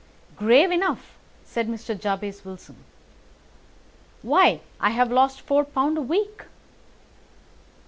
"Grave enough!" said Mr. Jabez Wilson. "Why, I have lost four pound a week."